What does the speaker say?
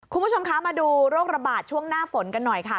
คุณผู้ชมคะมาดูโรคระบาดช่วงหน้าฝนกันหน่อยค่ะ